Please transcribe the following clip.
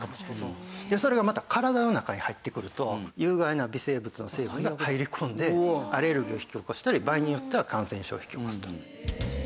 それがまた体の中に入ってくると有害な微生物の成分が入り込んでアレルギーを引き起こしたり場合によっては感染症を引き起こすと。